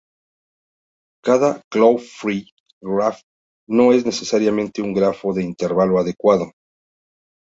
Cada claw-free graph no es necesariamente un grafo de intervalo adecuado.